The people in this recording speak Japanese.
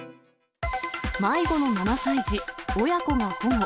迷子の７歳児、親子が保護。